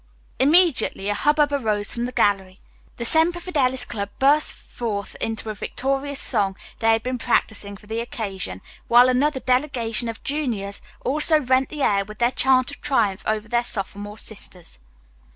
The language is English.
Immediately a hubbub arose from the gallery. The Semper Fidelis Club burst forth into a victorious song they had been practising for the occasion, while another delegation of juniors also rent the air with their chant of triumph over their sophomore sisters.